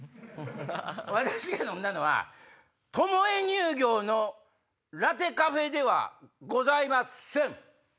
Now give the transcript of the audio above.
私が飲んだのはトモヱ乳業のＬＡＴＴＥ＆カフェではございません。